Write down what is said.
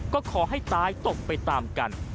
ก็ขอให้ตายตกไปตามกัน